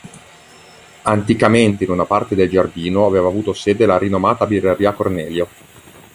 Anticamente in una parte del giardino aveva avuto sede la rinomata birreria "Cornelio".